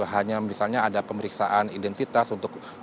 hanya misalnya ada pemeriksaan identitas untuk